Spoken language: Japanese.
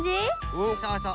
うんそうそう。